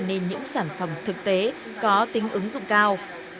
nên những sản phẩm thực tế có tính ứng dụng cao